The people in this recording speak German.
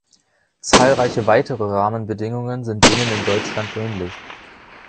Zahlreiche weitere Rahmenbedingungen sind denen in Deutschland ähnlich.